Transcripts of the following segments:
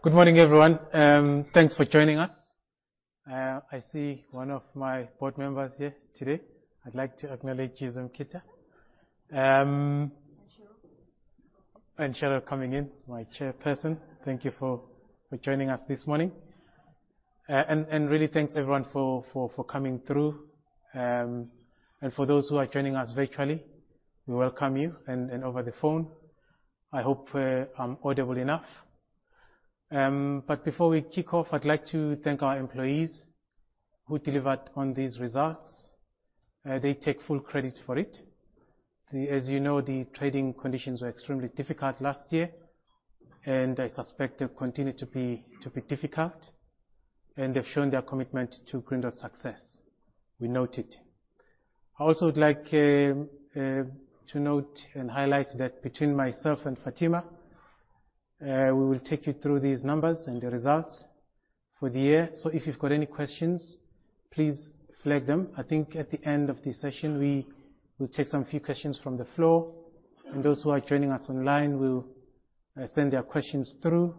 Good morning, everyone. Thanks for joining us. I see one of my board members here today. I'd like to acknowledge you, Zimkhitha. Cheryl. Cheryl coming in, my chairperson. Thank you for joining us this morning. Really thanks everyone for coming through. For those who are joining us virtually, we welcome you, and over the phone. I hope I'm audible enough. Before we kick off, I'd like to thank our employees who delivered on these results. They take full credit for it. As you know, the trading conditions were extremely difficult last year, and I suspect they'll continue to be difficult. They've shown their commitment to Grindrod's success. We note it. I also would like to note and highlight that between myself and Fathima, we will take you through these numbers and the results for the year. If you've got any questions, please flag them. I think at the end of this session, we will take some few questions from the floor, and those who are joining us online will send their questions through.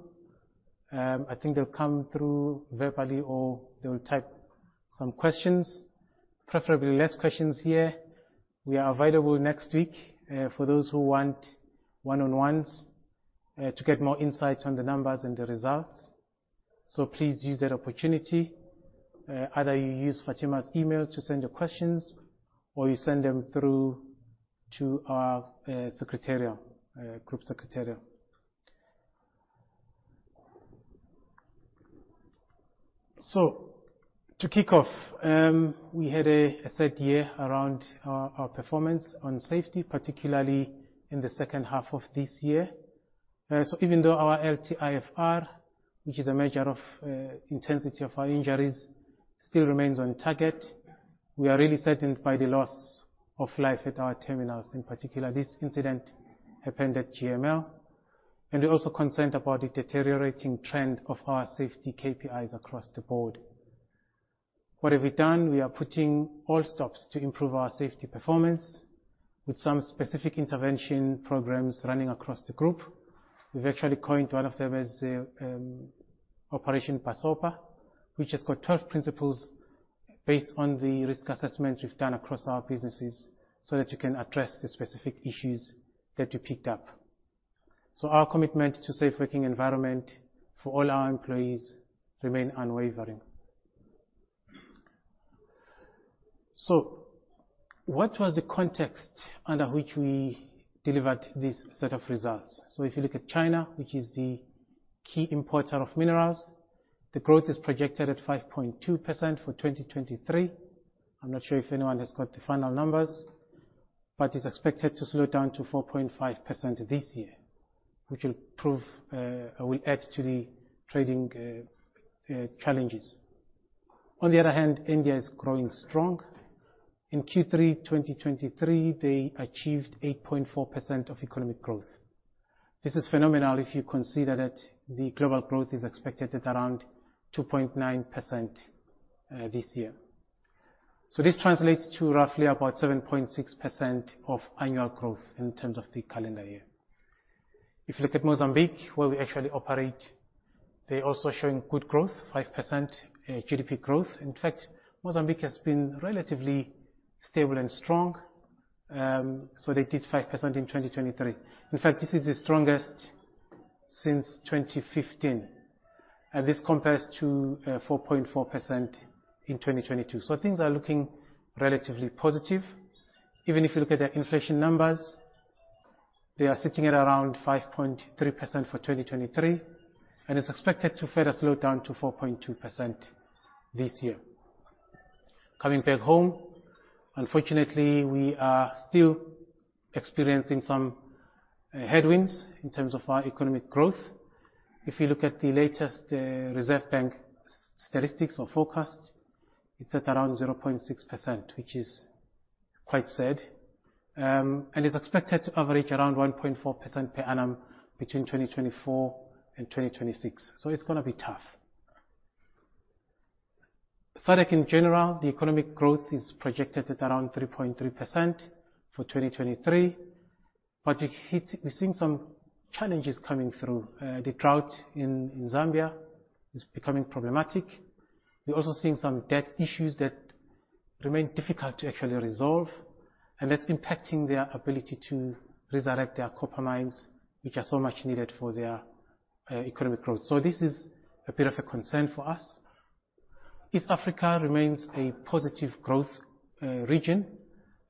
I think they'll come through verbally, or they will type some questions, preferably less questions here. We are available next week, for those who want one-on-ones to get more insights on the numbers and the results. Please use that opportunity. Either you use Fathima's email to send your questions, or you send them through to our group secretarial. To kick off, we had a sad year around our performance on safety, particularly in the second half of this year. Even though our LTIFR, which is a measure of intensity of our injuries, still remains on target, we are really saddened by the loss of life at our terminals. In particular, this incident happened at GML, and we're also concerned about the deteriorating trend of our safety KPIs across the board. What have we done? We are putting all stops to improve our safety performance with some specific intervention programs running across the group. We've actually coined one of them as Operation Bassopa, which has got 12 principles based on the risk assessment we've done across our businesses that you can address the specific issues that we picked up. Our commitment to safe working environment for all our employees remains unwavering. What was the context under which we delivered this set of results? If you look at China, which is the key importer of minerals, the growth is projected at 5.2% for 2023. I'm not sure if anyone has got the final numbers, it's expected to slow down to 4.5% this year, which will add to the trading challenges. On the other hand, India is growing strong. In Q3 2023, they achieved 8.4% of economic growth. This is phenomenal if you consider that the global growth is expected at around 2.9% this year. This translates to roughly about 7.6% of annual growth in terms of the calendar year. If you look at Mozambique, where we actually operate, they're also showing good growth, 5% GDP growth. In fact, Mozambique has been relatively stable and strong, they did 5% in 2023. In fact, this is the strongest since 2015. This compares to 4.4% in 2022. Things are looking relatively positive. Even if you look at their inflation numbers, they are sitting at around 5.3% for 2023, and it's expected to further slow down to 4.2% this year. Coming back home, unfortunately, we are still experiencing some headwinds in terms of our economic growth. If you look at the latest Reserve Bank statistics or forecast, it's at around 0.6%, which is quite sad, and is expected to average around 1.4% per annum between 2024 and 2026. It's going to be tough. SADC in general, the economic growth is projected at around 3.3% for 2023. We're seeing some challenges coming through. The drought in Zambia is becoming problematic. We're also seeing some debt issues that remain difficult to actually resolve, and that's impacting their ability to resurrect their copper mines, which are so much needed for their economic growth. This is a bit of a concern for us. East Africa remains a positive growth region.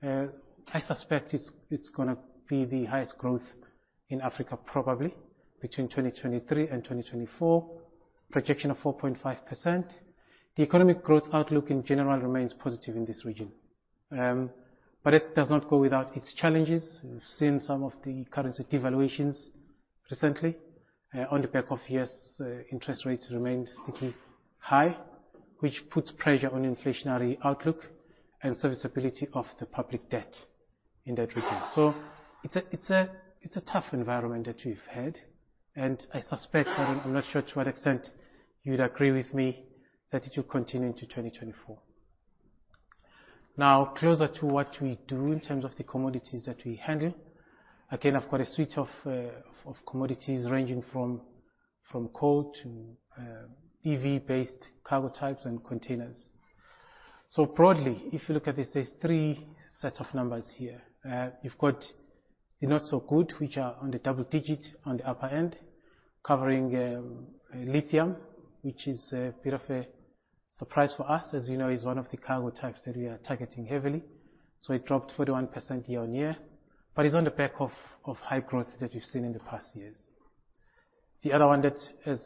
I suspect it's going to be the highest growth in Africa, probably between 2023 and 2024. Projection of 4.5%. The economic growth outlook in general remains positive in this region. It does not go without its challenges. We've seen some of the currency devaluations recently on the back of U.S. interest rates remain sticky high, which puts pressure on inflationary outlook and serviceability of the public debt in that region. It's a tough environment that we've had, and I suspect, I'm not sure to what extent you'd agree with me, that it will continue into 2024. Now, closer to what we do in terms of the commodities that we handle. Again, I've got a suite of commodities ranging from coal to EV-based cargo types and containers. Broadly, if you look at this, there's three sets of numbers here. You've got the not so good, which are on the double-digit on the upper end, covering lithium, which is a bit of a surprise for us, as you know, is one of the cargo types that we are targeting heavily. It dropped 41% year-on-year, but is on the back of high growth that we've seen in the past years. The other one that has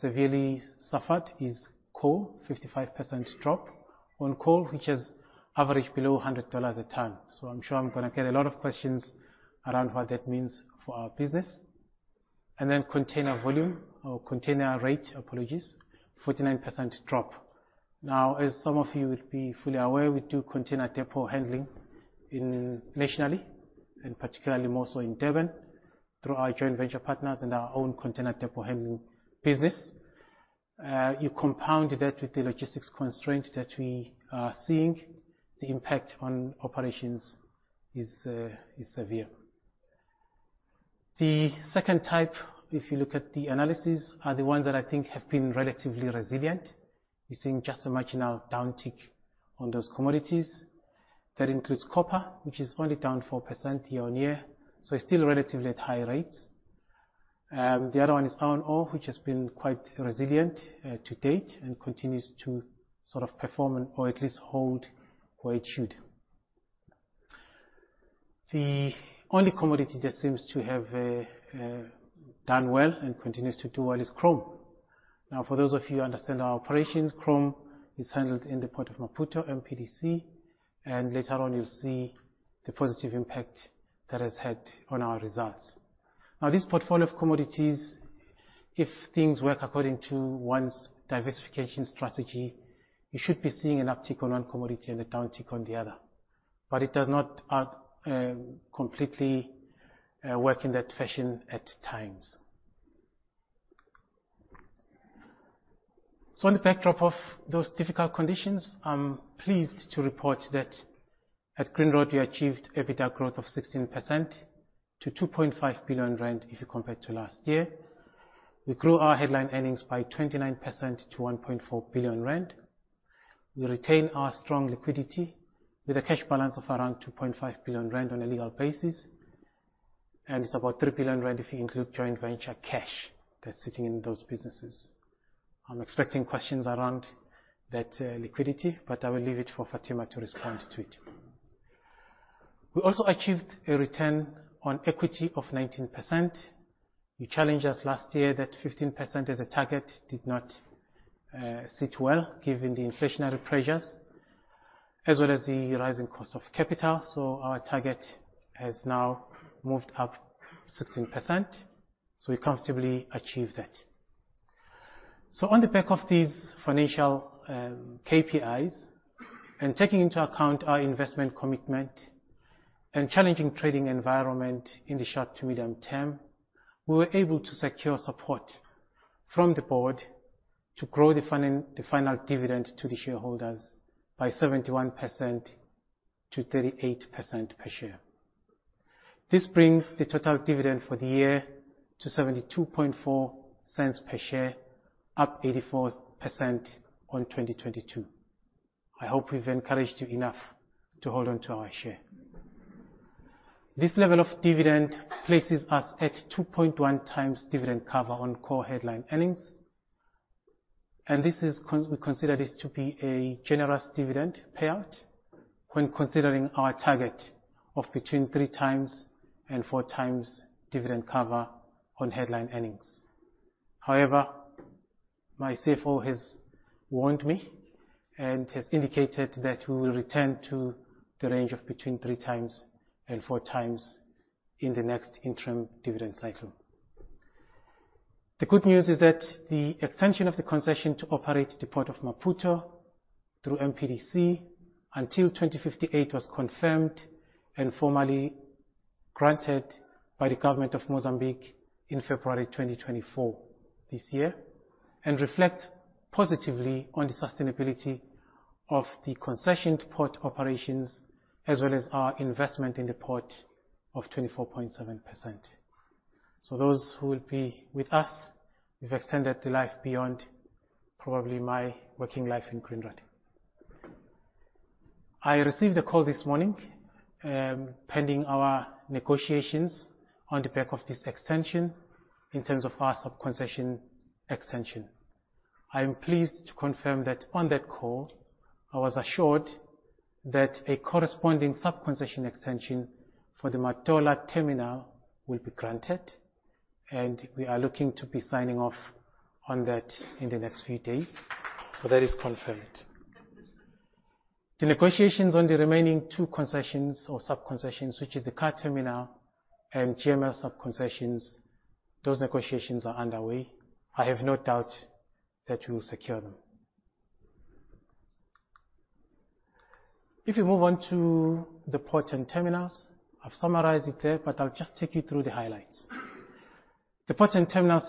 severely suffered is coal, 55% drop on coal, which has averaged below $100 a ton. I'm sure I'm going to get a lot of questions around what that means for our business. Container volume or container rate, apologies, 49% drop. Now, as some of you would be fully aware, we do container depot handling nationally, and particularly more so in Durban, through our joint venture partners and our own container depot handling business. You compound that with the logistics constraints that we are seeing, the impact on operations is severe. The second type, if you look at the analysis, are the ones that I think have been relatively resilient. We're seeing just a marginal downtick on those commodities. That includes copper, which is only down 4% year-on-year, it's still relatively at high rates. The other one is iron ore, which has been quite resilient to date and continues to sort of perform or at least hold where it should. The only commodity that seems to have done well and continues to do well is chrome. Now, for those of you who understand our operations, chrome is handled in the Port of Maputo, MPDC, and later on you'll see the positive impact that has had on our results. Now, this portfolio of commodities, if things work according to one's diversification strategy, you should be seeing an uptick on one commodity and a downtick on the other. It does not completely work in that fashion at times. On the backdrop of those difficult conditions, I am pleased to report that at Grindrod, we achieved EBITDA growth of 16% to 2.5 billion rand if you compare it to last year. We grew our headline earnings by 29% to 1.4 billion rand. We retain our strong liquidity with a cash balance of around 2.5 billion rand on a legal basis, and it is about 3 billion rand if you include joint venture cash that is sitting in those businesses. I am expecting questions around that liquidity, but I will leave it for Fathima to respond to it. We also achieved a return on equity of 19%. You challenged us last year that 15% as a target did not sit well given the inflationary pressures, as well as the rising cost of capital. Our target has now moved up 16%, so we comfortably achieved that. On the back of these financial KPIs, and taking into account our investment commitment and challenging trading environment in the short to medium term, we were able to secure support from the board to grow the final dividend to the shareholders by 71% to 38% per share. This brings the total dividend for the year to 0.724 per share, up 84% on 2022. I hope we have encouraged you enough to hold onto our share. This level of dividend places us at 2.1x dividend cover on core headline earnings. And we consider this to be a generous dividend payout when considering our target of between 3x and 4x dividend cover on headline earnings. However, my CFO has warned me and has indicated that we will return to the range of between 3x and 4x in the next interim dividend cycle. The good news is that the extension of the concession to operate the Port of Maputo through MPDC until 2058 was confirmed and formally granted by the Government of Mozambique in February 2024 this year, and reflects positively on the sustainability of the concessioned port operations, as well as our investment in the port of 24.7%. So those who will be with us, we have extended the life beyond probably my working life in Grindrod. I received a call this morning, pending our negotiations on the back of this extension in terms of our sub-concession extension. I am pleased to confirm that on that call, I was assured that a corresponding sub-concession extension for the Matola terminal will be granted, and we are looking to be signing off on that in the next few days. That is confirmed. The negotiations on the remaining two concessions or sub-concessions, which is the car terminal and GML sub-concessions, those negotiations are underway. I have no doubt that we will secure them. If you move on to the port and terminals, I have summarized it there, but I will just take you through the highlights. The port and terminal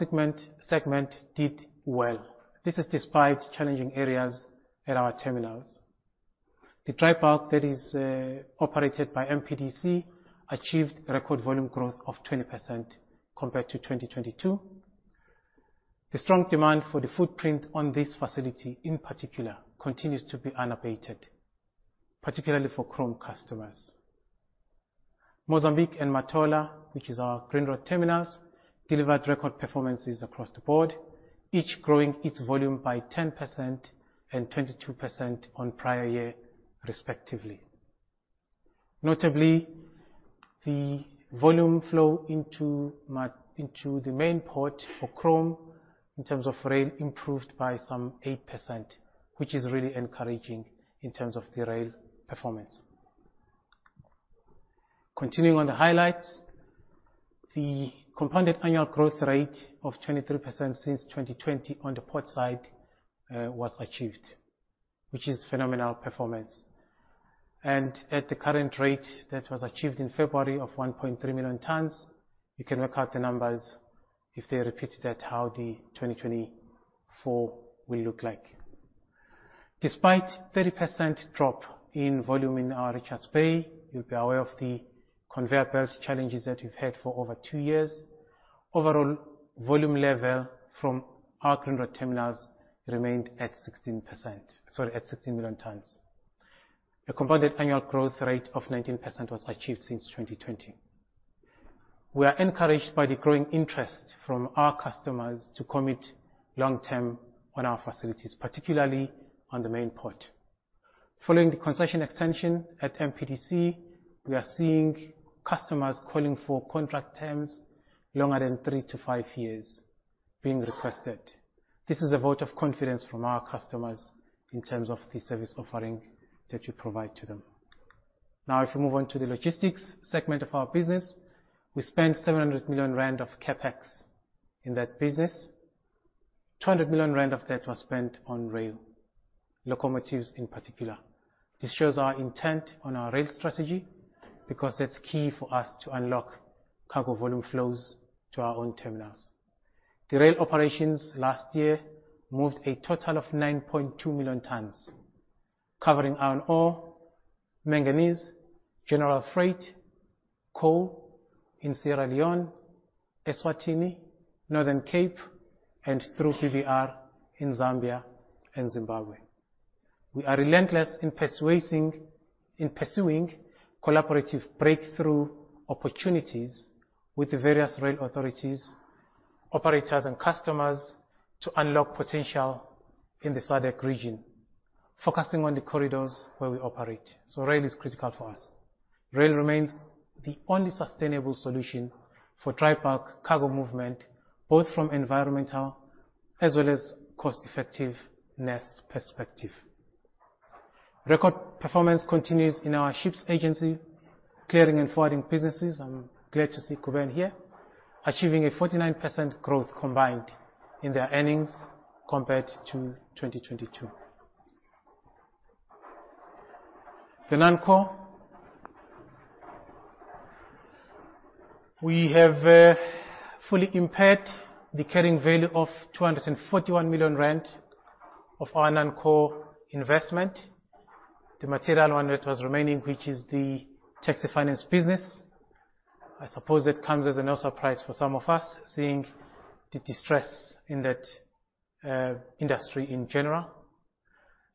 segment did well. This is despite challenging areas at our terminals. The dry bulk that is operated by MPDC achieved record volume growth of 20% compared to 2022. The strong demand for the footprint on this facility, in particular, continues to be unabated, particularly for chrome customers. Mozambique and Matola, which is our Grindrod Terminals, delivered record performances across the board, each growing its volume by 10% and 22% on prior year, respectively. Notably, the volume flow into the main port for chrome in terms of rail improved by some 8%, which is really encouraging in terms of the rail performance. Continuing on the highlights, the compounded annual growth rate of 23% since 2020 on the port side was achieved, which is phenomenal performance. At the current rate that was achieved in February of 1.3 million tons, you can work out the numbers if they repeated that, how the 2024 will look like. Despite 30% drop in volume in our Richards Bay, you'll be aware of the conveyor belts challenges that we've had for over two years. Overall volume level from our Grindrod Terminals remained at 16%. Sorry, at 16 million tons. A compounded annual growth rate of 19% was achieved since 2020. We are encouraged by the growing interest from our customers to commit long-term on our facilities, particularly on the main port. Following the concession extension at MPDC, we are seeing customers calling for contract terms longer than 3-5 years being requested. This is a vote of confidence from our customers in terms of the service offering that we provide to them. If we move on to the logistics segment of our business, we spent 700 million rand of CapEx in that business. 200 million rand of that was spent on rail, locomotives in particular. This shows our intent on our rail strategy because that's key for us to unlock cargo volume flows to our own terminals. The rail operations last year moved a total of 9.2 million tons, covering iron ore, manganese, general freight, coal in Sierra Leone, Eswatini, Northern Cape, and through PVR in Zambia and Zimbabwe. We are relentless in pursuing collaborative breakthrough opportunities with the various rail authorities, operators, and customers to unlock potential in the SADC region, focusing on the corridors where we operate. Rail is critical for us. Rail remains the only sustainable solution for dry bulk cargo movement, both from environmental as well as cost-effectiveness perspective. Record performance continues in our ships agency, clearing and forwarding businesses, I'm glad to see Kuben here, achieving a 49% growth combined in their earnings compared to 2022. The non-core, we have fully impaired the carrying value of 241 million rand of our non-core investment, the material one that was remaining, which is the taxi finance business. I suppose it comes as no surprise for some of us, seeing the distress in that industry in general.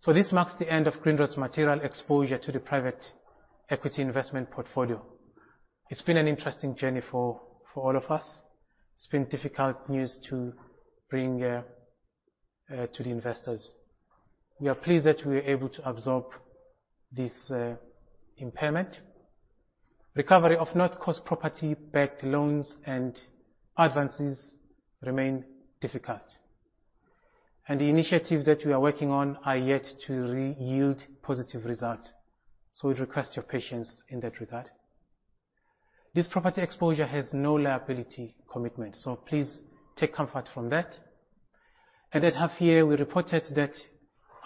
This marks the end of Grindrod's material exposure to the private equity investment portfolio. It's been an interesting journey for all of us. It's been difficult news to bring to the investors. We are pleased that we were able to absorb this impairment. Recovery of North Coast property-backed loans and advances remain difficult, and the initiatives that we are working on are yet to yield positive results, so we request your patience in that regard. This property exposure has no liability commitment, so please take comfort from that. At that half year, we reported that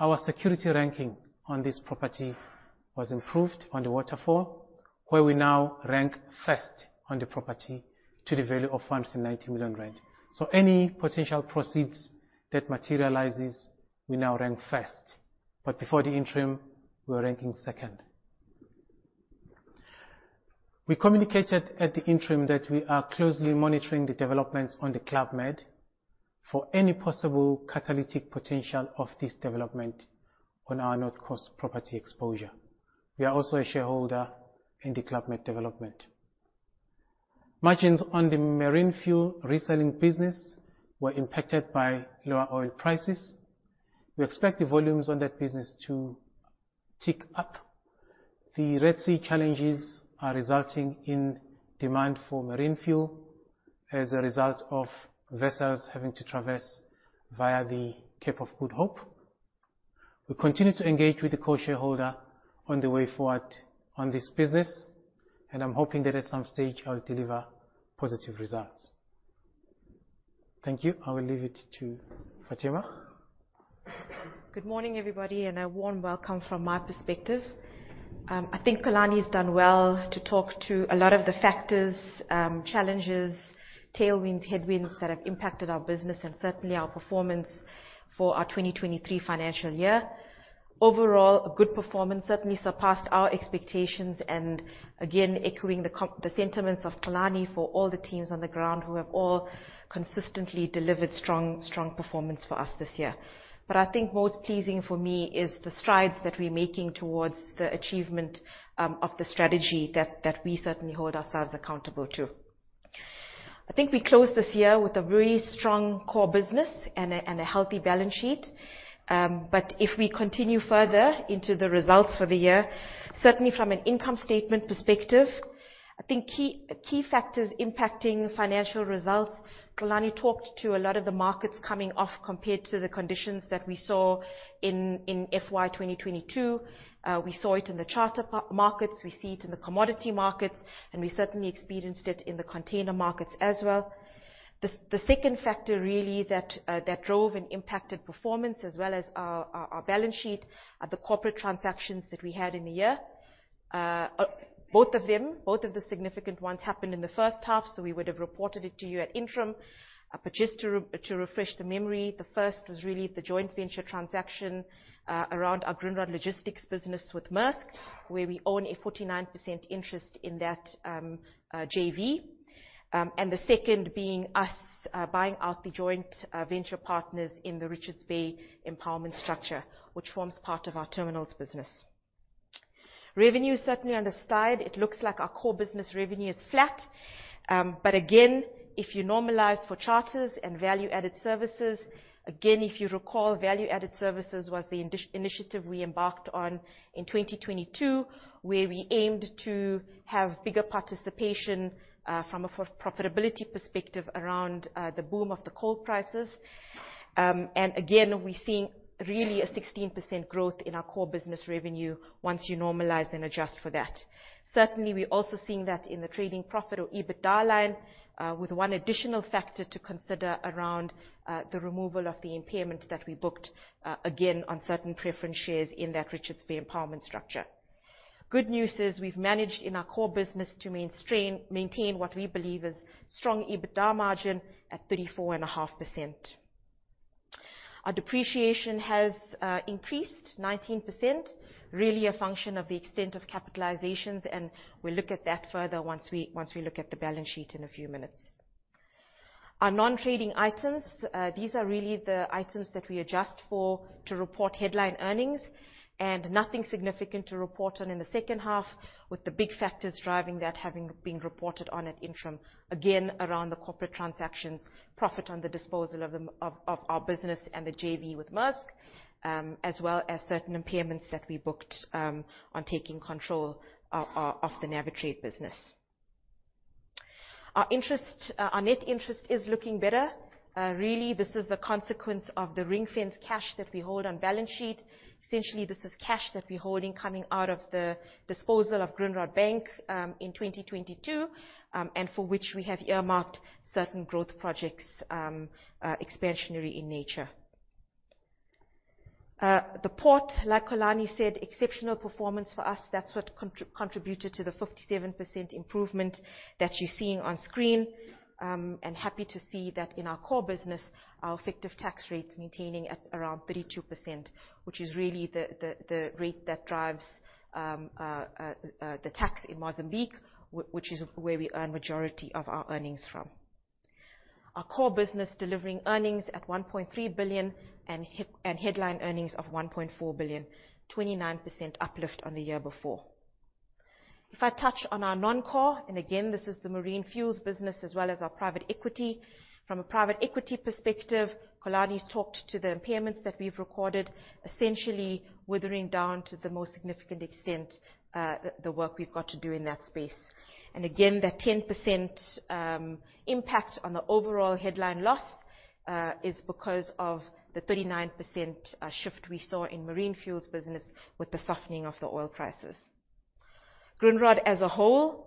our security ranking on this property was improved on the waterfall, where we now rank first on the property to the value of 190 million rand. Any potential proceeds that materializes, we now rank first. Before the interim, we were ranking second. We communicated at the interim that we are closely monitoring the developments on the Club Med for any possible catalytic potential of this development on our North Coast property exposure. We are also a shareholder in the Club Med development. Margins on the marine fuel reselling business were impacted by lower oil prices. We expect the volumes on that business to tick up. The Red Sea challenges are resulting in demand for marine fuel as a result of vessels having to traverse via the Cape of Good Hope. We continue to engage with the core shareholder on the way forward on this business, and I'm hoping that at some stage it'll deliver positive results. Thank you. I will leave it to Fathima. Good morning, everybody, and a warm welcome from my perspective. I think Xolani's done well to talk to a lot of the factors, challenges, tailwinds, headwinds that have impacted our business and certainly our performance for our 2023 financial year. Overall, a good performance, certainly surpassed our expectations, and again, echoing the sentiments of Xolani for all the teams on the ground who have all consistently delivered strong performance for us this year. I think most pleasing for me is the strides that we're making towards the achievement of the strategy that we certainly hold ourselves accountable to. I think we closed this year with a very strong core business and a healthy balance sheet. If we continue further into the results for the year, certainly from an income statement perspective, I think key factors impacting financial results, Xolani talked to a lot of the markets coming off compared to the conditions that we saw in FY 2022. We saw it in the charter markets, we see it in the commodity markets, and we certainly experienced it in the container markets as well. The second factor really that drove and impacted performance as well as our balance sheet are the corporate transactions that we had in the year. Both of them, both of the significant ones happened in the first half, so we would have reported it to you at interim. Just to refresh the memory, the first was really the joint venture transaction around our Grindrod Logistics business with Maersk, where we own a 49% interest in that JV. The second being us buying out the joint venture partners in the Richards Bay empowerment structure, which forms part of our terminals business. Revenue is certainly on the slide. It looks like our core business revenue is flat. Again, if you normalize for charters and value-added services, again, if you recall, value-added services was the initiative we embarked on in 2022, where we aimed to have bigger participation, from a profitability perspective around the boom of the coal prices. Again, we're seeing really a 16% growth in our core business revenue once you normalize and adjust for that. Certainly, we're also seeing that in the trading profit or EBITDA line, with one additional factor to consider around the removal of the impairment that we booked, again, on certain preference shares in that Richards Bay empowerment structure. Good news is we've managed in our core business to maintain what we believe is strong EBITDA margin at 34.5%. Our depreciation has increased 19%, really a function of the extent of capitalizations, and we'll look at that further once we look at the balance sheet in a few minutes. Our non-trading items, these are really the items that we adjust for to report headline earnings, nothing significant to report on in the second half with the big factors driving that having been reported on at interim, again, around the corporate transactions, profit on the disposal of our business and the JV with Maersk, as well as certain impairments that we booked on taking control of the Navitrade business. Our net interest is looking better. Really, this is the consequence of the ring-fence cash that we hold on balance sheet. Essentially, this is cash that we're holding coming out of the disposal of Grindrod Bank in 2022, for which we have earmarked certain growth projects expansionary in nature. The port, like Xolani said, exceptional performance for us. That's what contributed to the 57% improvement that you're seeing on screen. Happy to see that in our core business, our effective tax rate maintaining at around 32%, which is really the rate that drives the tax in Mozambique, which is where we earn majority of our earnings from. Our core business delivering earnings at 1.3 billion and headline earnings of 1.4 billion, 29% uplift on the year before. If I touch on our non-core, and again, this is the marine fuels business as well as our private equity. From a private equity perspective, Xolani's talked to the impairments that we've recorded, essentially withering down to the most significant extent, the work we've got to do in that space. Again, that 10% impact on the overall headline loss is because of the 39% shift we saw in marine fuels business with the softening of the oil prices. Grindrod, as a whole,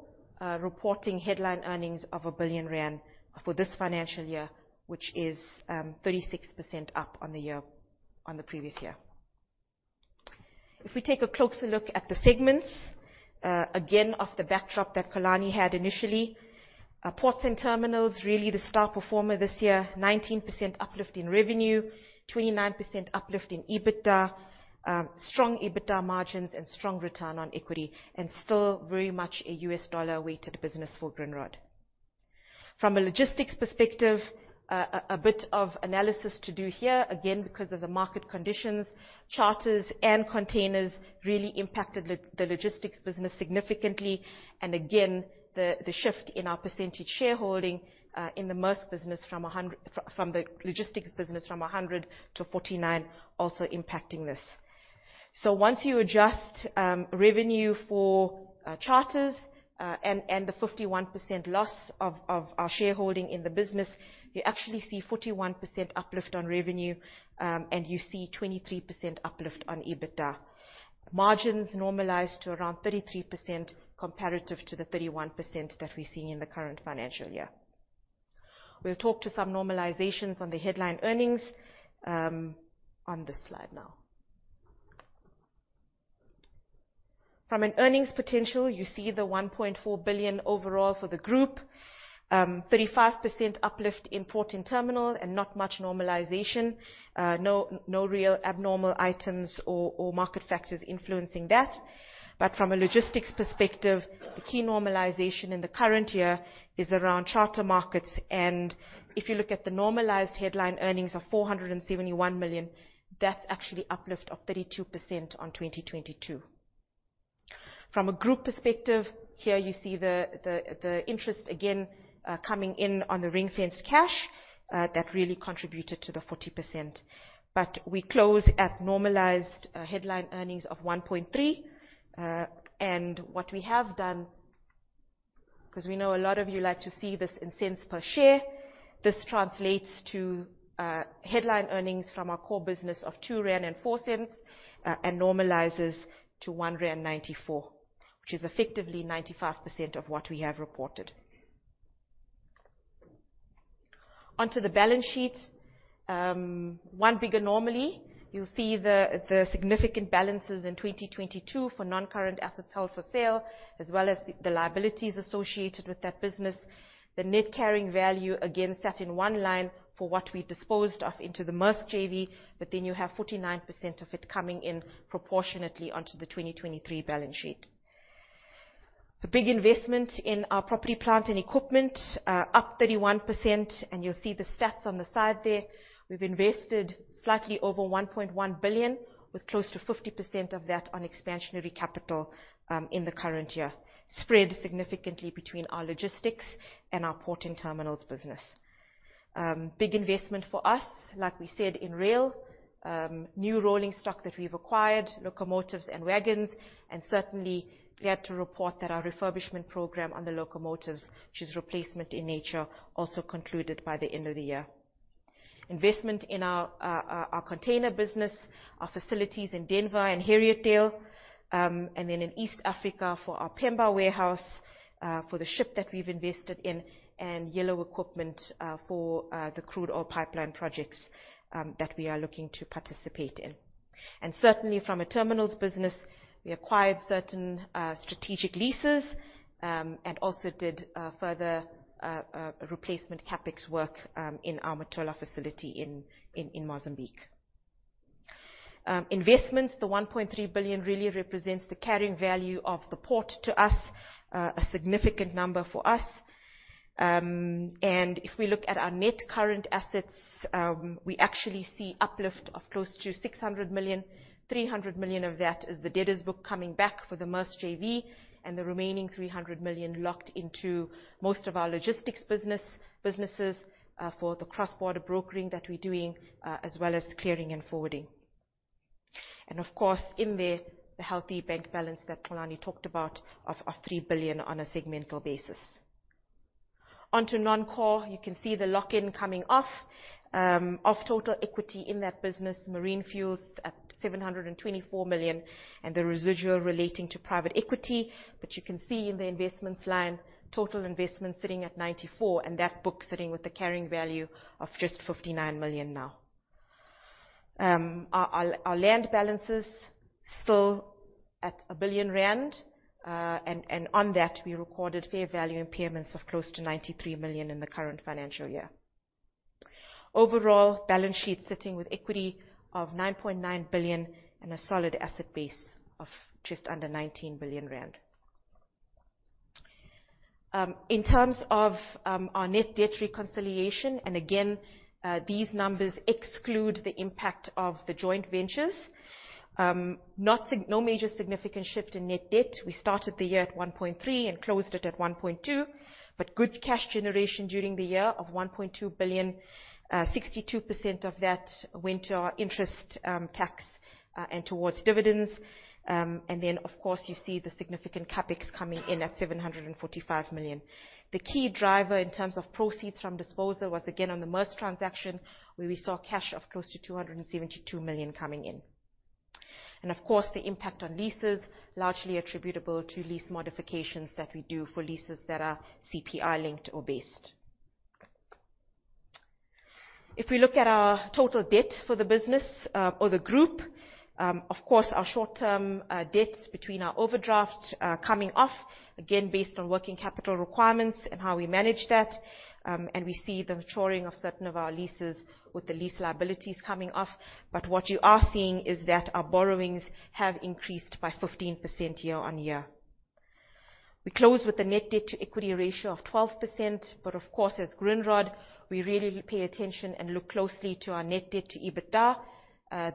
reporting headline earnings of 1 billion rand for this financial year, which is 36% up on the previous year. If we take a closer look at the segments, again, of the backdrop that Xolani had initially, ports and terminals, really the star performer this year, 19% uplift in revenue, 29% uplift in EBITDA, strong EBITDA margins and strong return on equity, and still very much a U.S. dollar-weighted business for Grindrod. From a logistics perspective, a bit of analysis to do here, again, because of the market conditions, charters and containers really impacted the logistics business significantly. Again, the shift in our percentage shareholding in the Maersk business from the logistics business from 100% to 49%, also impacting this. Once you adjust revenue for charters, the 51% loss of our shareholding in the business, you actually see 41% uplift on revenue, you see 23% uplift on EBITDA. Margins normalize to around 33% comparative to the 31% that we're seeing in the current financial year. We'll talk to some normalizations on the headline earnings on this slide now. From an earnings potential, you see the 1.4 billion overall for the group, 35% uplift in port and terminal, not much normalization. No real abnormal items or market factors influencing that. From a logistics perspective, the key normalization in the current year is around charter markets. If you look at the normalized headline earnings of 471 million, that's actually uplift of 32% on 2022. From a group perspective, here you see the interest again coming in on the ring-fenced cash that really contributed to the 40%. We close at normalized headline earnings of 1.3 billion. What we have done, because we know a lot of you like to see this in cents per share, this translates to headline earnings from our core business of 2.04 rand, and normalizes to 1.94 rand, which is effectively 95% of what we have reported. On to the balance sheet. One big anomaly, you'll see the significant balances in 2022 for non-current assets held for sale, as well as the liabilities associated with that business. The net carrying value, again, sat in one line for what we disposed of into the Maersk JV, you have 49% of it coming in proportionately onto the 2023 balance sheet. The big investment in our property, plant, and equipment, up 31%, and you'll see the stats on the side there. We've invested slightly over 1.1 billion, with close to 50% of that on expansionary capital in the current year, spread significantly between our logistics and our port and terminals business. Big investment for us, like we said, in rail. New rolling stock that we've acquired, locomotives and wagons, and certainly glad to report that our refurbishment program on the locomotives, which is replacement in nature, also concluded by the end of the year. Investment in our container business, our facilities in Denver and Heriotdale, and then in East Africa for our Pemba warehouse, for the ship that we've invested in, and yellow equipment for the crude oil pipeline projects that we are looking to participate in. Certainly from a terminals business, we acquired certain strategic leases, and also did further replacement CapEx work in our Matola facility in Mozambique. Investments, the 1.3 billion really represents the carrying value of the port to us, a significant number for us. If we look at our net current assets, we actually see uplift of close to 600 million, 300 million of that is the debtors book coming back for the Maersk JV, and the remaining 300 million locked into most of our logistics businesses for the cross-border brokering that we're doing, as well as clearing and forwarding. Of course, in there, the healthy bank balance that Xolani talked about of 3 billion on a segmental basis. On to non-core. You can see the lock-in coming off, of total equity in that business, marine fuels at 724 million, and the residual relating to private equity. You can see in the investments line, total investments sitting at 94 million, and that book sitting with a carrying value of just 59 million now. Our land balance is still at 1 billion rand. On that, we recorded fair value impairments of close to 93 million in the current financial year. Overall, balance sheet sitting with equity of 9.9 billion and a solid asset base of just under 19 billion rand. In terms of our net debt reconciliation, again, these numbers exclude the impact of the joint ventures. No major significant shift in net debt. We started the year at 1.3 billion and closed it at 1.2 billion. Good cash generation during the year of 1.2 billion, 62% of that went to our interest tax and towards dividends. Of course, you see the significant CapEx coming in at 745 million. The key driver in terms of proceeds from disposal was again on the Maersk transaction, where we saw cash of close to 272 million coming in. Of course, the impact on leases, largely attributable to lease modifications that we do for leases that are CPI linked or based. If we look at our total debt for the business or the group, of course, our short-term debts between our overdraft coming off, again, based on working capital requirements and how we manage that, and we see the maturing of certain of our leases with the lease liabilities coming off. What you are seeing is that our borrowings have increased by 15% year-on-year. We close with a net debt to equity ratio of 12%. Of course, as Grindrod, we really pay attention and look closely to our net debt to EBITDA.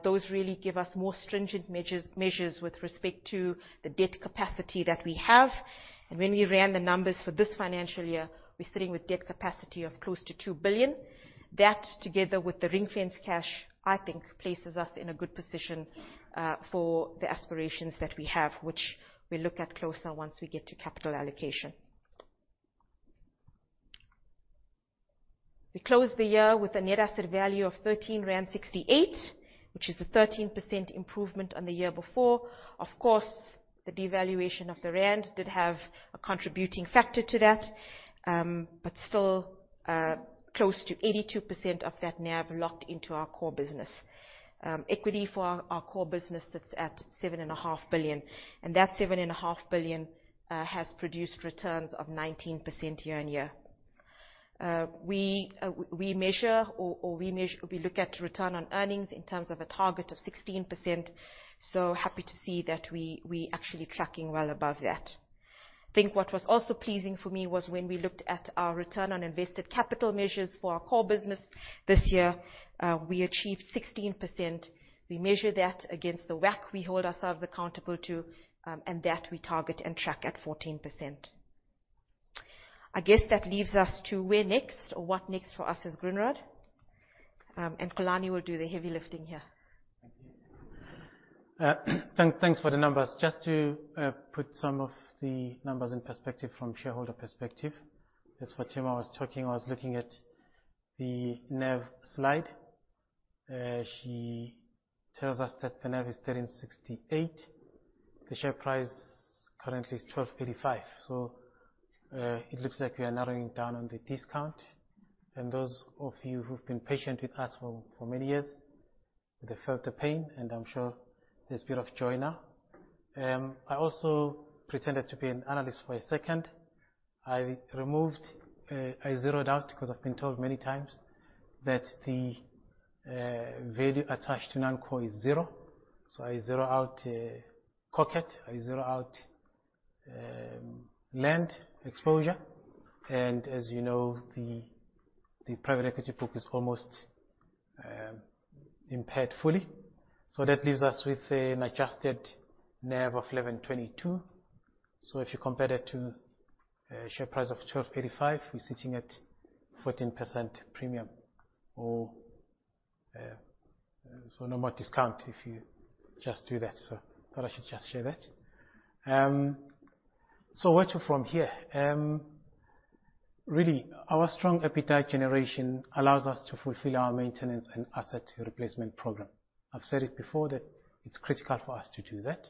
Those really give us more stringent measures with respect to the debt capacity that we have. When we ran the numbers for this financial year, we're sitting with debt capacity of close to 2 billion. That together with the ring-fenced cash, I think, places us in a good position for the aspirations that we have, which we'll look at closer once we get to capital allocation. We closed the year with a net asset value of 13.68, which is the 13% improvement on the year before. Of course, the devaluation of the rand did have a contributing factor to that, but still close to 82% of that NAV locked into our core business. Equity for our core business sits at 7.5 billion, that 7.5 billion has produced returns of 19% year-on-year. We look at return on earnings in terms of a target of 16%. Happy to see that we actually tracking well above that. I think what was also pleasing for me was when we looked at our return on invested capital measures for our core business this year, we achieved 16%. We measure that against the WACC we hold ourselves accountable to, and that we target and track at 14%. I guess that leaves us to where next or what next for us as Grindrod. Xolani will do the heavy lifting here. Thank you. Thanks for the numbers. Just to put some of the numbers in perspective from shareholder perspective. As Fathima was talking, I was looking at the NAV slide. She tells us that the NAV is 13.68. The share price currently is 12.85. It looks like we are narrowing down on the discount. Those of you who've been patient with us for many years, that you felt the pain, and I'm sure there's a bit of joy now. I also pretended to be an analyst for a second. I zeroed out, because I've been told many times, that the value attached to non-core is zero. I zero out Cockett, I zero out land exposure. As you know, the private equity book is almost impaired fully. That leaves us with an adjusted NAV of 11.22. If you compare that to a share price of 12.85, we're sitting at 14% premium. No more discount if you just do that. Thought I should just share that. Where to from here? Really, our strong EBITDA generation allows us to fulfill our maintenance and asset replacement program. I've said it before that it's critical for us to do that.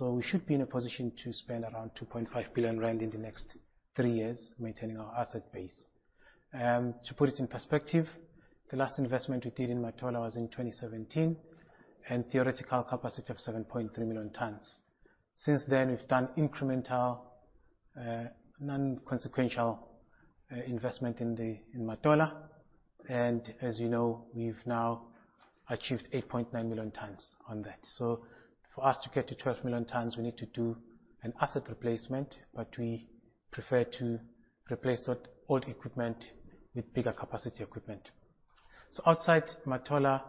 We should be in a position to spend around 2.5 billion rand in the next three years maintaining our asset base. To put it in perspective, the last investment we did in Matola was in 2017, and theoretical capacity of 7.3 million tons. Since then, we've done incremental, non-consequential investment in Matola. As you know, we've now achieved 8.9 million tons on that. For us to get to 12 million tons, we need to do an asset replacement, we prefer to replace that old equipment with bigger capacity equipment. Outside Matola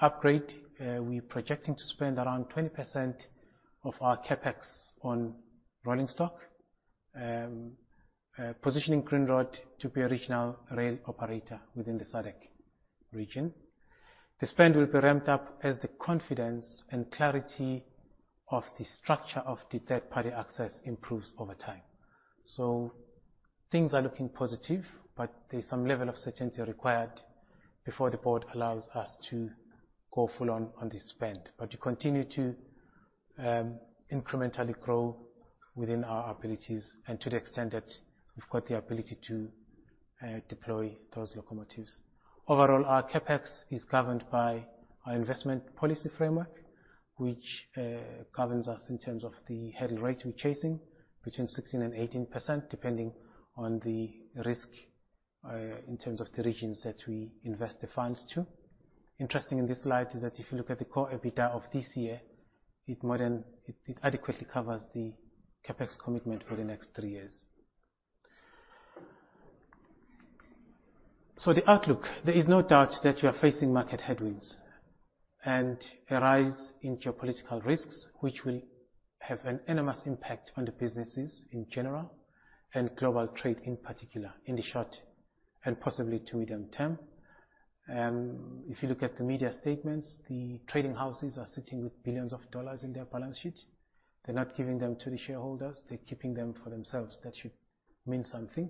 upgrade, we're projecting to spend around 20% of our CapEx on rolling stock, positioning Grindrod to be a regional rail operator within the SADC region. The spend will be ramped up as the confidence and clarity of the structure of the third-party access improves over time. Things are looking positive, there's some level of certainty required before the board allows us to go full on the spend. We continue to incrementally grow within our abilities and to the extent that we've got the ability to deploy those locomotives. Overall, our CapEx is governed by our investment policy framework, which governs us in terms of the head rate we're chasing, between 16%-18%, depending on the risk, in terms of the regions that we invest the funds to. Interesting in this slide is that if you look at the core EBITDA of this year, it adequately covers the CapEx commitment for the next three years. The outlook, there is no doubt that we are facing market headwinds and a rise in geopolitical risks, which will have an enormous impact on the businesses in general and global trade in particular, in the short and possibly to medium term. If you look at the media statements, the trading houses are sitting with billions of ZAR in their balance sheet. They're not giving them to the shareholders. They're keeping them for themselves. That should mean something.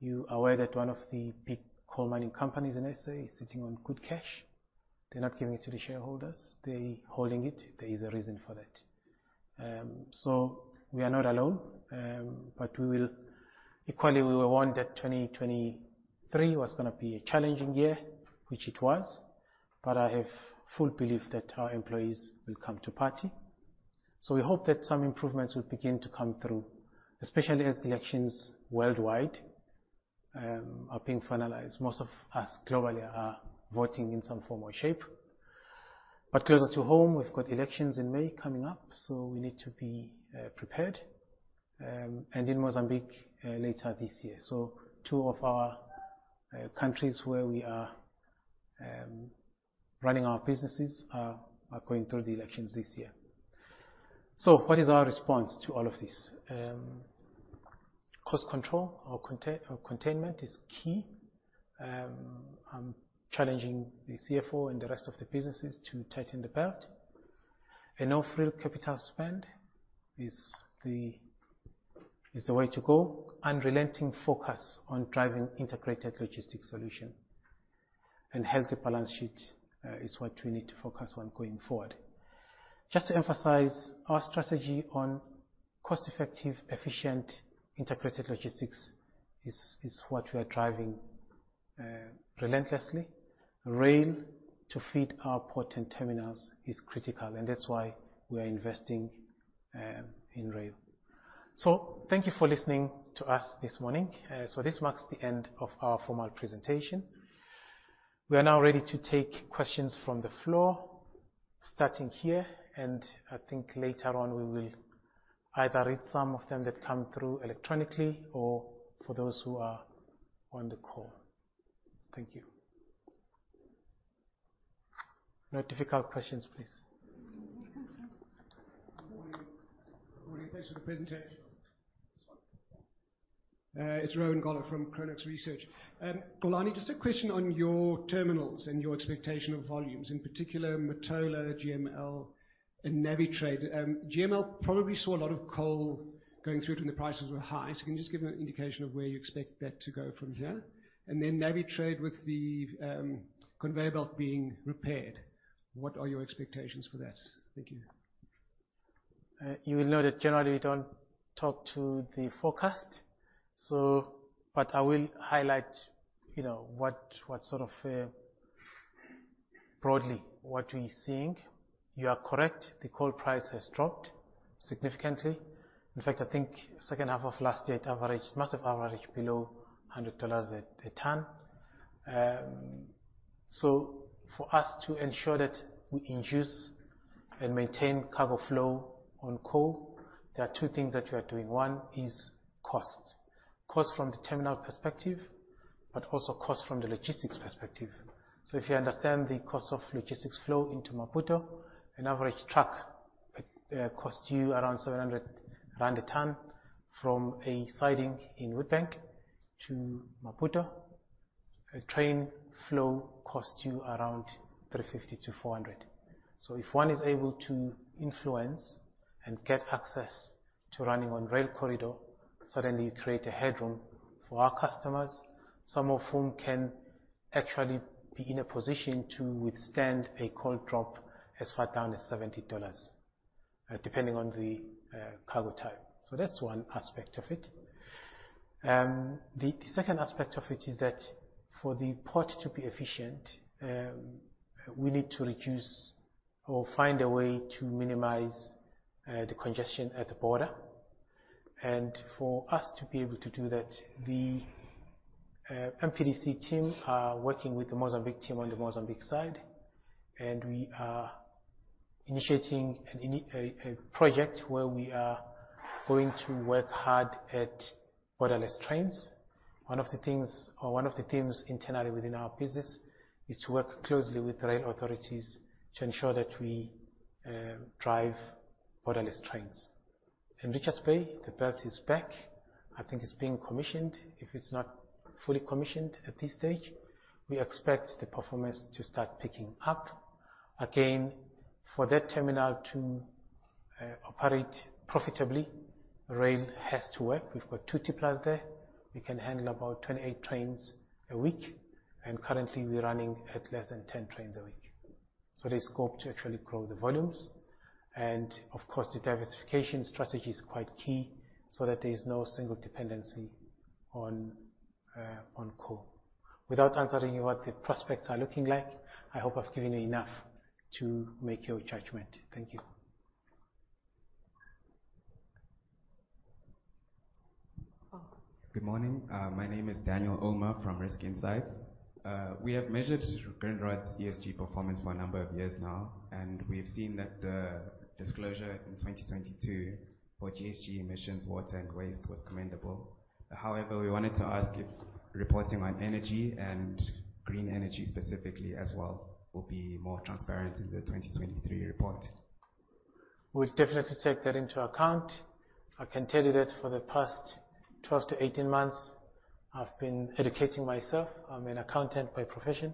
You're aware that one of the big coal mining companies in SA is sitting on good cash. They're not giving it to the shareholders. They holding it. There is a reason for that. We are not alone. Equally, we were warned that 2023 was going to be a challenging year, which it was, I have full belief that our employees will come to party. We hope that some improvements will begin to come through, especially as the elections worldwide are being finalized. Most of us globally are voting in some form or shape. Closer to home, we've got elections in May coming up, we need to be prepared. And in Mozambique later this year. Two of our countries where we are running our businesses are going through the elections this year. What is our response to all of this? Cost control or containment is key. I'm challenging the CFO and the rest of the businesses to tighten the belt. A no-frill capital spend is the way to go. Unrelenting focus on driving integrated logistics solution. And healthy balance sheet is what we need to focus on going forward. Just to emphasize, our strategy on cost-effective, efficient integrated logistics is what we are driving relentlessly. Rail to feed our port and terminals is critical, and that's why we are investing in rail. Thank you for listening to us this morning. This marks the end of our formal presentation. We are now ready to take questions from the floor, starting here, and I think later on we will either read some of them that come through electronically or for those who are on the call. Thank you. No difficult questions, please. Good morning. Thanks for the presentation. It's Rowan Goeller from Chronux Research. Xolani, just a question on your terminals and your expectation of volumes, in particular, Matola, GML and Navitrade. GML probably saw a lot of coal going through it when the prices were high. Can you just give me an indication of where you expect that to go from here? Then Navitrade with the conveyor belt being repaired, what are your expectations for that? Thank you. You will know that generally we don't talk to the forecast. I will highlight broadly what we're seeing. You are correct, the coal price has dropped significantly. In fact, I think second half of last year, it must have averaged below $100 a ton. For us to ensure that we induce and maintain cargo flow on coal, there are two things that we are doing. One is costs. Costs from the terminal perspective, but also costs from the logistics perspective. If you understand the cost of logistics flow into Maputo, an average truck costs you around 700 rand a ton from a siding in Witbank to Maputo. A train flow costs you around 350-400. If one is able to influence and get access to running on rail corridor, suddenly you create a headroom for our customers, some of whom can actually be in a position to withstand a coal drop as far down as $70, depending on the cargo type. That's one aspect of it. The second aspect of it is that for the port to be efficient, we need to reduce or find a way to minimize the congestion at the border. For us to be able to do that, the MPDC team are working with the Mozambique team on the Mozambique side, and we are initiating a project where we are going to work hard at borderless trains. One of the things internally within our business is to work closely with rail authorities to ensure that we drive borderless trains. In Richards Bay, the belt is back. I think it's being commissioned. If it's not fully commissioned at this stage, we expect the performance to start picking up. For that terminal to operate profitably, rail has to work. We've got two tippers there. We can handle about 28 trains a week. Currently we're running at less than 10 trains a week. There's scope to actually grow the volumes. Of course, the diversification strategy is quite key so that there is no single dependency on coal. Without answering what the prospects are looking like, I hope I've given you enough to make your judgment. Thank you. Good morning. My name is Daniel Ouma from Risk Insights. We have measured Grindrod's ESG performance for a number of years now. We have seen that the disclosure in 2022 for ESG emissions, water, and waste was commendable. However, we wanted to ask if reporting on energy and green energy specifically as well, will be more transparent in the 2023 report. We'll definitely take that into account. I can tell you that for the past 12-18 months, I've been educating myself. I'm an accountant by profession.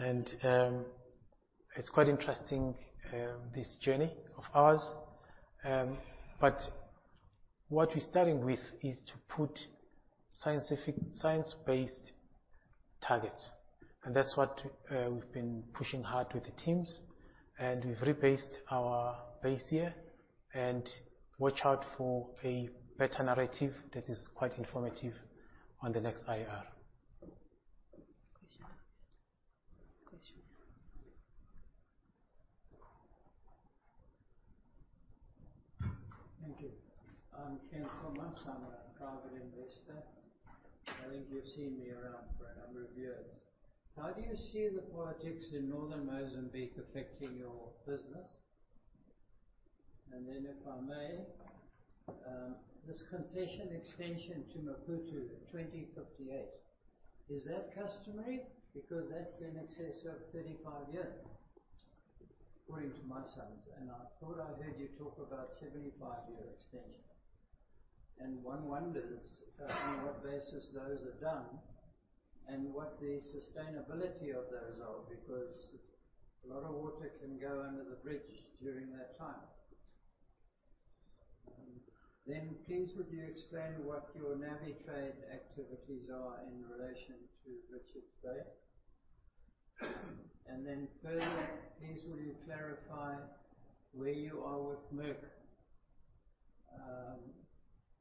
It's quite interesting this journey of ours. What we're starting with is to put science-based targets, and that's what we've been pushing hard with the teams, and we've rebased our base year and watch out for a better narrative that is quite informative on the next IR. Question. Question. Thank you. I am Ken Thomas. I am a private investor. I think you have seen me around for a number of years. How do you see the projects in northern Mozambique affecting your business? If I may, this concession extension to Maputo, 2058. Is that customary? Because that is in excess of 35 years, according to my sums, and I thought I heard you talk about 75-year extension. One wonders on what basis those are done and what the sustainability of those are, because a lot of water can go under the bridge during that time. Please would you explain what your Navitrade activities are in relation to Richards Bay? Further, please will you clarify where you are with Maersk.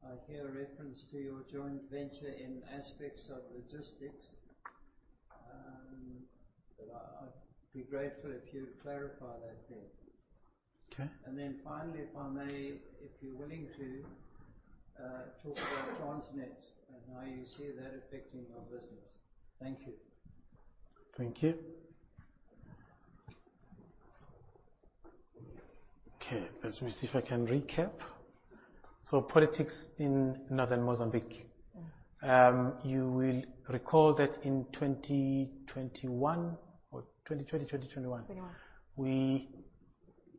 I hear a reference to your joint venture in aspects of logistics, but I would be grateful if you clarify that bit. Finally, if I may, if you are willing to, talk about Transnet and how you see that affecting your business. Thank you. Thank you. Okay, let me see if I can recap. Politics in northern Mozambique. You will recall that in 2021 or 2020, 2021. 2021 We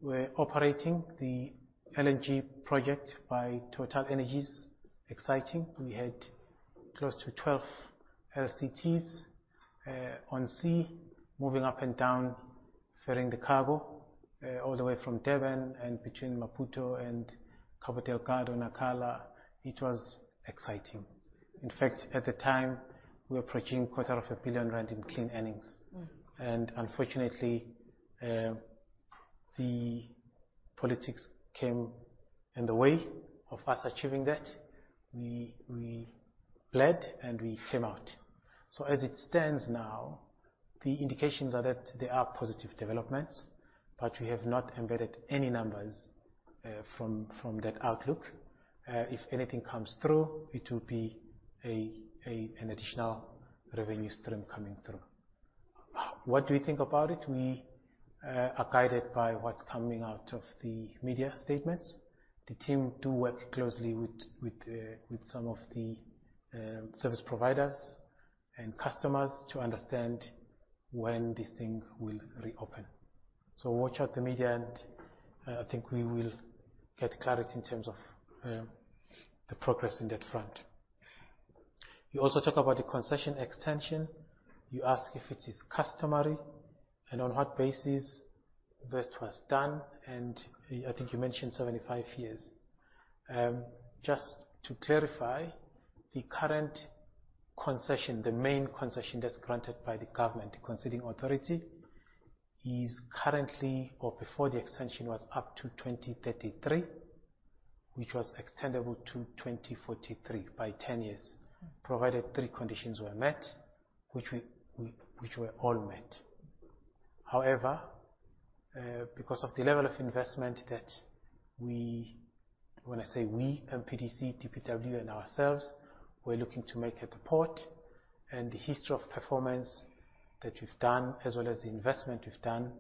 were operating the LNG project by TotalEnergies. Exciting. We had close to 12 LCTs on sea, moving up and down, ferrying the cargo, all the way from Durban and between Maputo and Cabo Delgado, Nacala. It was exciting. In fact, at the time, we were approaching a quarter of a billion rand in clean earnings. Unfortunately, the politics came in the way of us achieving that. We bled, and we came out. As it stands now, the indications are that there are positive developments, but we have not embedded any numbers from that outlook. If anything comes through, it will be an additional revenue stream coming through. What do we think about it? We are guided by what's coming out of the media statements. The team do work closely with some of the service providers and customers to understand when this thing will reopen. Watch out the media, and I think we will get clarity in terms of the progress on that front. You also talk about the concession extension. You ask if it is customary and on what basis that was done, and I think you mentioned 75 years. Just to clarify, the current concession, the main concession that's granted by the government, the conceding authority, is currently or before the extension was up to 2033, which was extendable to 2043 by 10 years, provided three conditions were met, which were all met. However, because of the level of investment that we, when I say we, MPDC, DPW, and ourselves, were looking to make at the port and the history of performance that we've done, as well as the investment we've done,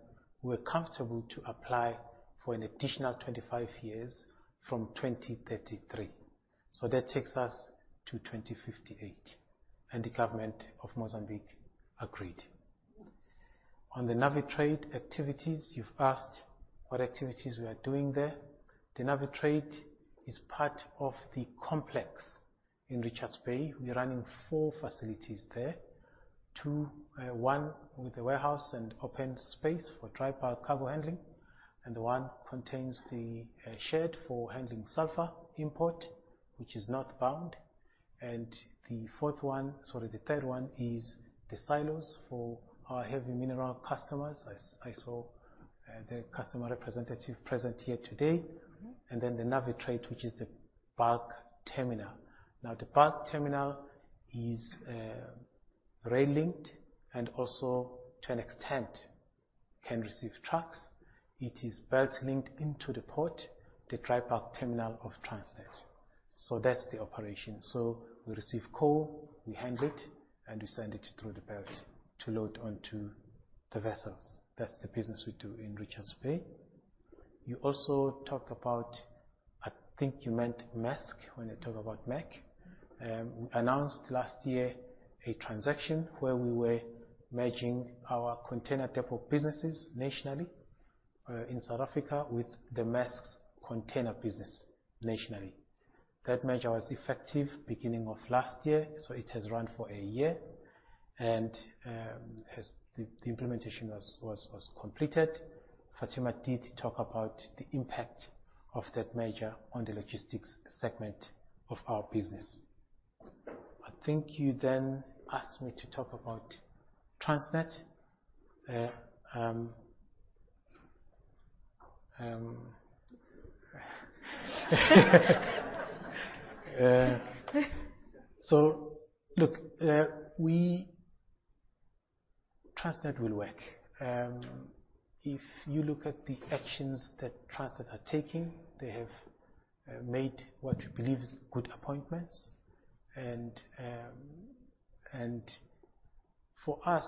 we are comfortable to apply for an additional 25 years from 2033. That takes us to 2058. The government of Mozambique agreed. On the Navitrade activities, you've asked what activities we are doing there. The Navitrade is part of the complex in Richards Bay. We are running four facilities there. One with a warehouse and open space for dry bulk cargo handling, and one contains the shed for handling sulfur import, which is northbound, and the fourth one, sorry, the third one is the silos for our heavy mineral customers. I saw their customer representative present here today. The Navitrade, which is the bulk terminal. Now, the bulk terminal is rail-linked and also, to an extent, can receive trucks. It is belt-linked into the port, the dry bulk terminal of Transnet. That's the operation. We receive coal, we handle it, and we send it through the belt to load onto the vessels. That's the business we do in Richards Bay. You also talked about, I think you meant Maersk when you talk about Maersk. We announced last year a transaction where we were merging our container depot businesses nationally in South Africa with Maersk's container business nationally. That merger was effective beginning of last year, so it has run for a year, and the implementation was completed. Fathima did talk about the impact of that merger on the logistics segment of our business. I think you then asked me to talk about Transnet. Look, Transnet will work. If you look at the actions that Transnet are taking, they have made what we believe is good appointments. For us,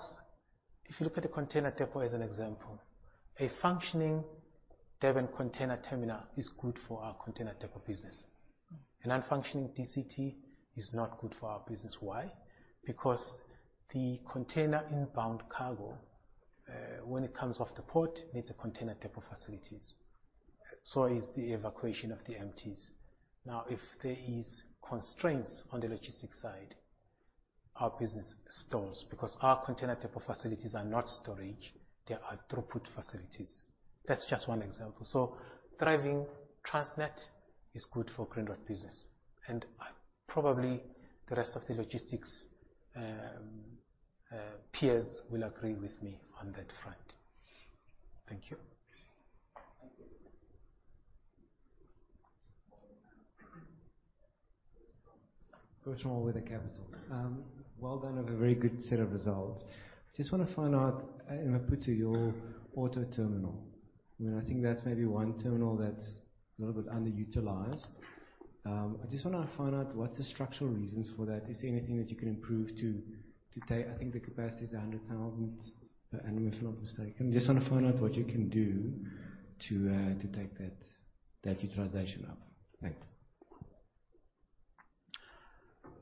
if you look at the container depot as an example, a functioning Durban container terminal is good for our container depot business. A non-functioning DCT is not good for our business. Why? Because the container inbound cargo, when it comes off the port, needs a container depot facilities. Is the evacuation of the empties. Now, if there is constraints on the logistics side. Our business stalls because our container depot facilities are not storage, they are throughput facilities. That's just one example. Thriving Transnet is good for Grindrod business, and probably the rest of the logistics peers will agree with me on that front. Thank you. First of all, with a capital. Well done. Have a very good set of results. Just want to find out, Maputo, your auto terminal. I think that's maybe one terminal that's a little bit underutilized. I just want to find out what's the structural reasons for that. Is there anything that you can improve to take. I think the capacity is 100,000, if I'm not mistaken. Just want to find out what you can do to take that utilization up. Thanks.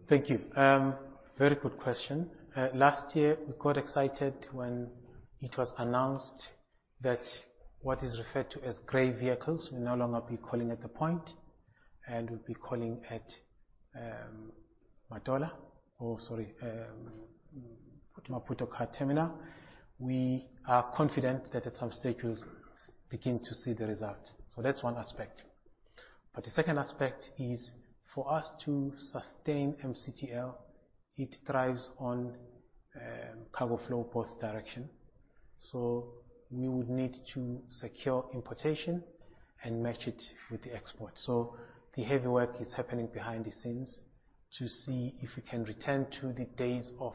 Thank you. Very good question. Last year, we got excited when it was announced that what is referred to as gray vehicles will no longer be calling at the point, and will be calling at Maputo Car Terminal. We are confident that at some stage, we'll begin to see the result. That's one aspect. The second aspect is for us to sustain MCTL, it thrives on cargo flow, both direction. We would need to secure importation and match it with the export. The heavy work is happening behind the scenes to see if we can return to the days of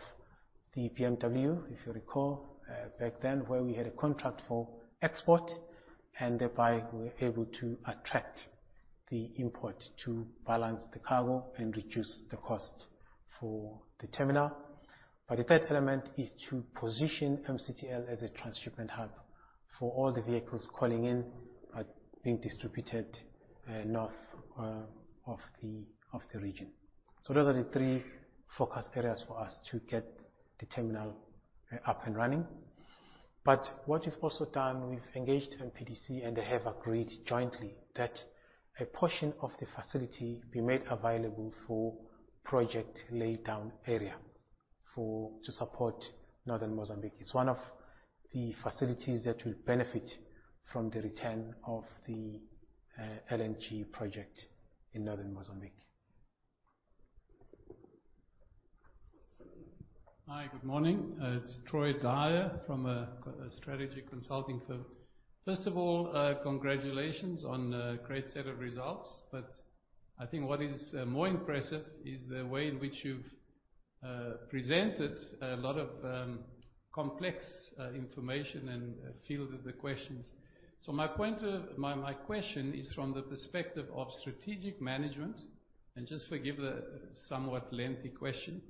the BMW. If you recall, back then, where we had a contract for export, and thereby we were able to attract the import to balance the cargo and reduce the cost for the terminal. The third element is to position MCTL as a transshipment hub for all the vehicles calling in are being distributed north of the region. Those are the three focus areas for us to get the terminal up and running. What we've also done, we've engaged MPDC, and they have agreed jointly that a portion of the facility be made available for project laydown area to support northern Mozambique. It's one of the facilities that will benefit from the return of the LNG project in northern Mozambique. Hi. Good morning. It's Troy Dyer from a strategy consulting firm. First of all, congratulations on a great set of results. I think what is more impressive is the way in which you've presented a lot of complex information and fielded the questions. My question is from the perspective of strategic management, and just forgive the somewhat lengthy question,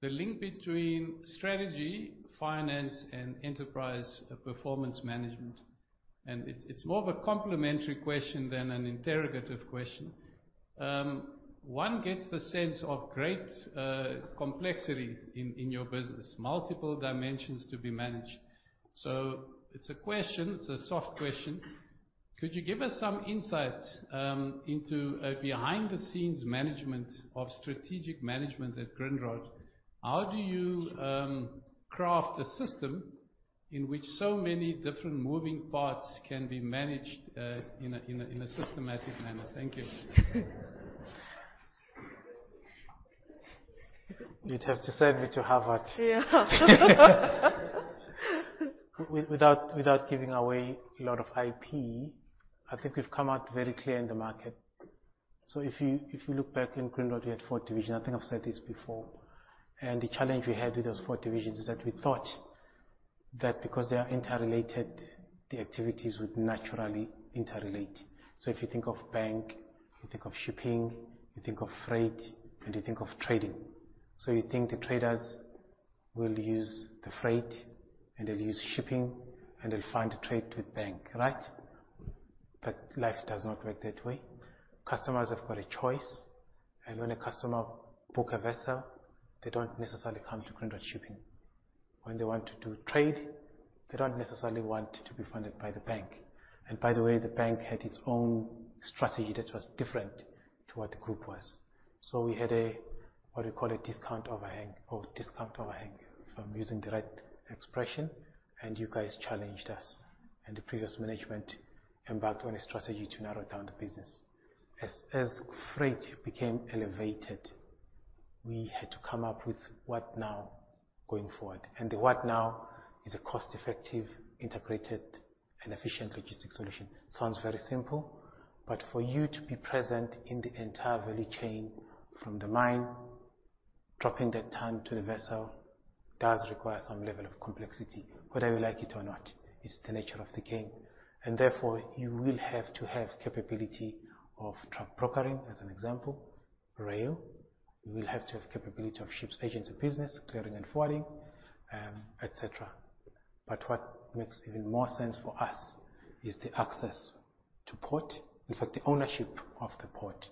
the link between strategy, finance, and enterprise performance management. It's more of a complementary question than an interrogative question. One gets the sense of great complexity in your business, multiple dimensions to be managed. It's a soft question. Could you give us some insight into a behind-the-scenes management of strategic management at Grindrod? How do you craft a system in which so many different moving parts can be managed in a systematic manner? Thank you. You'd have to send me to Harvard. Yeah. Without giving away a lot of IP, I think we've come out very clear in the market. If you look back in Grindrod, we had four divisions. I think I've said this before. The challenge we had with those four divisions is that we thought that because they are interrelated, the activities would naturally interrelate. If you think of bank, you think of shipping, you think of freight, and you think of trading. You think the traders will use the freight, and they'll use shipping, and they'll find a trade with bank, right? Life does not work that way. Customers have got a choice, and when a customer book a vessel, they don't necessarily come to Grindrod Shipping. When they want to do trade, they don't necessarily want to be funded by the bank. By the way, the bank had its own strategy that was different to what the group was. We had what we call a discount overhang, if I'm using the right expression, you guys challenged us, the previous management embarked on a strategy to narrow down the business. As freight became elevated, we had to come up with what now, going forward. The what now is a cost-effective, integrated, and efficient logistics solution. Sounds very simple, but for you to be present in the entire value chain from the mine, dropping the ton to the vessel, does require some level of complexity. Whether you like it or not, it's the nature of the game. Therefore, you will have to have capability of truck brokering, as an example, rail. You will have to have capability of ships, agency business, clearing and forwarding, et cetera. What makes even more sense for us is the access to port. In fact, the ownership of the port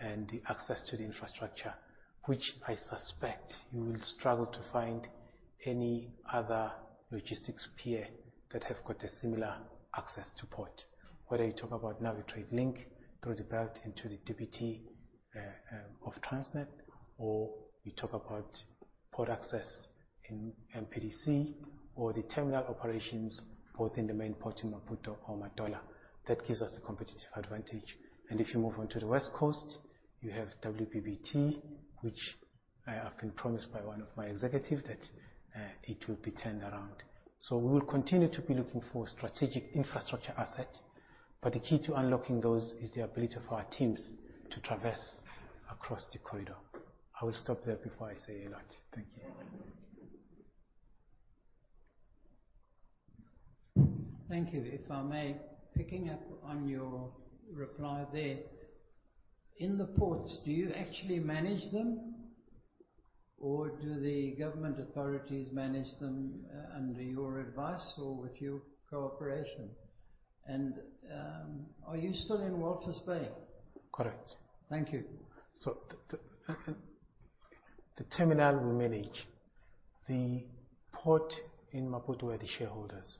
and the access to the infrastructure, which I suspect you will struggle to find any other logistics peer that have got a similar access to port. Whether you talk about Navitrade through the belt into the DPT of Transnet, or we talk about port access in MPDC, or the terminal operations both in the main port in Maputo or Matola. That gives us a competitive advantage. If you move on to the West Coast, you have WBPT, which I have been promised by one of my executives that it will be turned around. We will continue to be looking for strategic infrastructure assets, the key to unlocking those is the ability of our teams to traverse across the corridor. I will stop there before I say a lot. Thank you. Thank you. If I may, picking up on your reply there. In the ports, do you actually manage them? Or do the government authorities manage them under your advice or with your cooperation? Are you still in Walvis Bay? Correct. Thank you. The terminal we manage. The port in Maputo are the shareholders.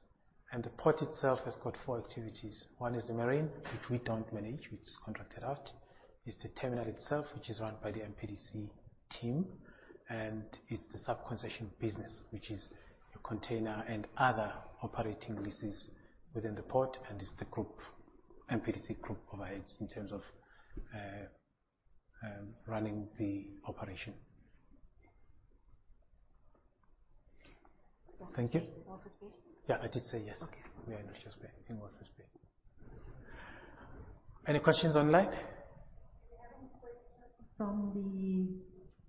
The port itself has got four activities. One is the marine, which we don't manage, which is contracted out. It's the terminal itself, which is run by the MPDC team. It's the sub-concession business, which is your container and other operating leases within the port, and it's the MPDC group overheads in terms of running the operation. Thank you. Walvis Bay? Yeah, I did say yes. Okay. Yeah, in Walvis Bay. Any questions online? We have a question from the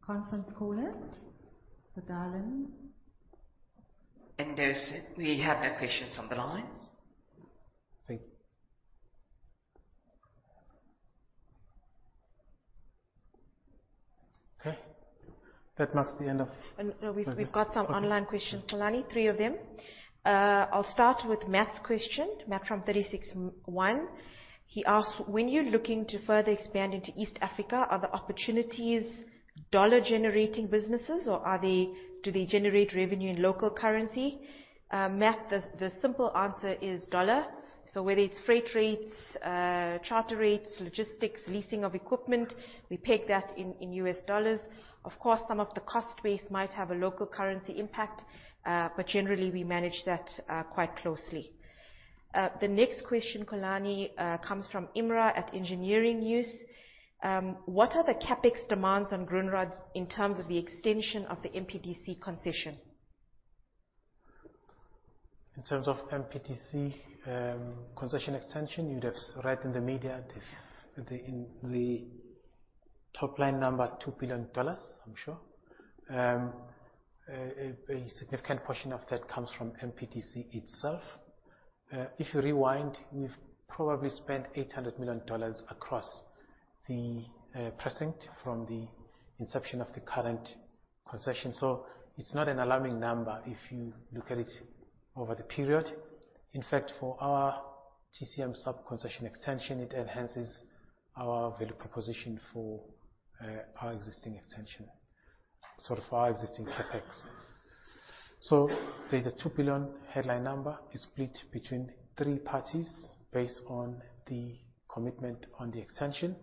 conference callist, the dial-in. Andersen, we have no questions on the lines. Thank you. Okay. That marks the end. No, we've got some online questions, Xolani, three of them. I'll start with Matt's question, Matt from 36ONE. He asks, "When you're looking to further expand into East Africa, are the opportunities dollar-generating businesses, or do they generate revenue in local currency?" Matt, the simple answer is dollar. Whether it's freight rates, charter rates, logistics, leasing of equipment, we peg that in US dollars. Of course, some of the cost base might have a local currency impact, but generally, we manage that quite closely. The next question, Xolani, comes from Imraan at Engineering News. "What are the CapEx demands on Grindrod in terms of the extension of the MPDC concession?" In terms of MPDC concession extension, you'd have read in the media, the top line number, $2 billion, I'm sure. A very significant portion of that comes from MPDC itself. If you rewind, we've probably spent $800 million across the precinct from the inception of the current concession. It's not an alarming number if you look at it over the period. In fact, for our TCM sub-concession extension, it enhances our value proposition for our existing extension. Sort of our existing CapEx. There's a $2 billion headline number is split between three parties based on the commitment on the extension.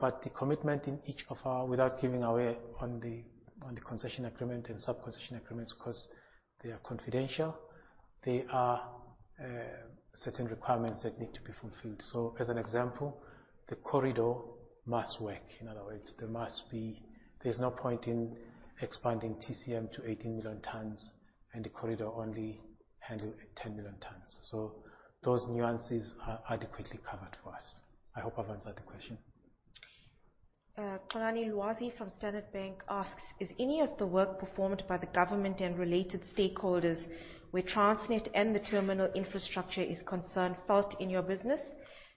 The commitment in each of our, without giving away on the concession agreement and sub-concession agreements, because they are confidential, there are certain requirements that need to be fulfilled. As an example, the corridor must work. In other words, there's no point in expanding TCM to 18 million tons and the corridor only handles 10 million tons. Those nuances are adequately covered for us. I hope I've answered the question. Lwazi Bam from Standard Bank asks, "Is any of the work performed by the government and related stakeholders where Transnet and the terminal infrastructure is concerned felt in your business?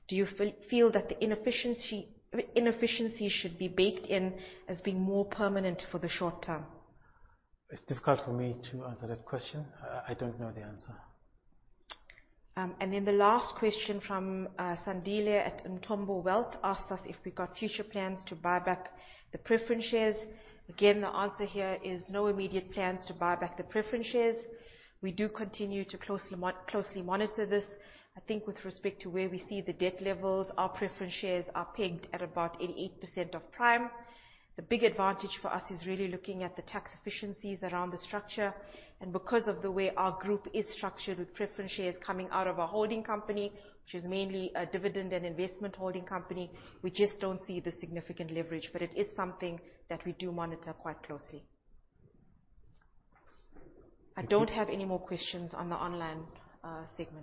Do you feel that the inefficiencies should be baked in as being more permanent for the short term?" It's difficult for me to answer that question. I don't know the answer. The last question from Sandile at Umthombo Wealth asked us if we got future plans to buy back the preference shares. The answer here is no immediate plans to buy back the preference shares. We do continue to closely monitor this. I think with respect to where we see the debt levels, our preference shares are pegged at about 88% of prime. The big advantage for us is really looking at the tax efficiencies around the structure. Because of the way our group is structured, with preference shares coming out of our holding company, which is mainly a dividend and investment holding company, we just don't see the significant leverage. It is something that we do monitor quite closely. I don't have any more questions on the online segment.